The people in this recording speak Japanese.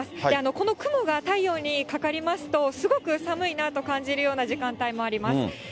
この雲が太陽にかかりますと、すごく寒いなと感じるような時間帯もあります。